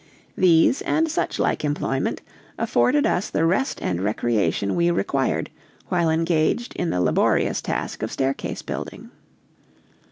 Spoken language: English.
These, and such like employment, afforded us the rest and recreation we required while engaged in the laborious task of staircase building.